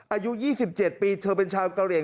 อายุ๒๗ปีเธอเป็นชาวกะเหลี่ย